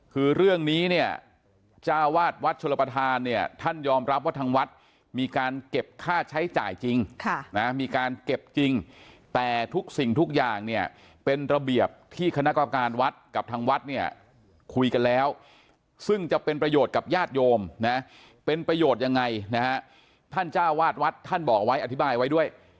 คือเรื่องนี้เนี่ยจ้าวาดวัดชลประธานเนี่ยท่านยอมรับว่าทางวัดมีการเก็บค่าใช้จ่ายจริงมีการเก็บจริงแต่ทุกสิ่งทุกอย่างเนี่ยเป็นระเบียบที่คณะกรรมการวัดกับทางวัดเนี่ยคุยกันแล้วซึ่งจะเป็นประโยชน์กับญาติโยมนะเป็นประโยชน์ยังไงนะฮะท่านเจ้าวาดวัดท่านบอกไว้อธิบายไว้ด้วย